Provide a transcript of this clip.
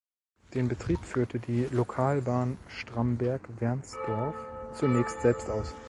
Den Betrieb führte die "Lokalbahn Stramberg–Wernsdorf" zunächst selbst aus.